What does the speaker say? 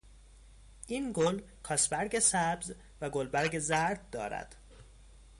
این گل کاسبرگ سبز و گلبرگ زرد دارد.